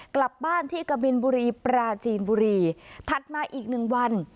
กลับบ้านที่กะบินบุรีปราจีนบุรีถัดมาอีกหนึ่งวัน